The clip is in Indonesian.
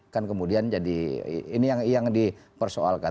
kan kemudian jadi ini yang dipersoalkan